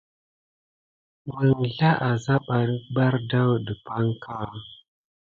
Məŋzla a zabaɓik ɓardawun ɗepanka.